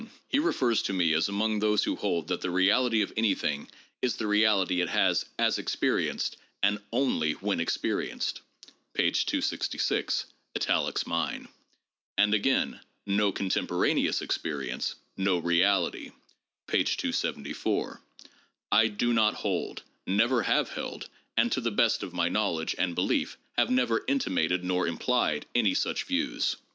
He refers to me as among those who hold that the " reality of anything is the reality it has as experienced and only when experienced'''' (p. 266, italics mine) ; and again "No contemporaneous experience, no reality" (p. 274). I do not hold, never have held, and, to the best of my knowledge and belief, have never intimated nor implied any such views.